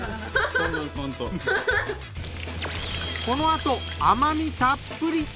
このあと甘みたっぷり！